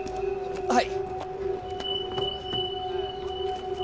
はい。